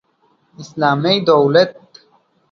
اسلامي دولت